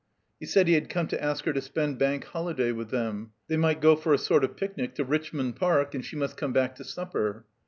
He said he had come to ask her to spend Bank Holiday with them. They might go for a sort of picnic to Richmond Park, and she must come back to supper.